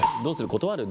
断る？